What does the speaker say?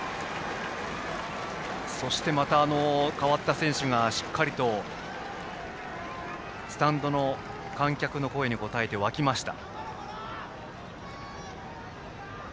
そしてまた代わった選手がしっかりとスタンドの観客の声に応えて沸きました。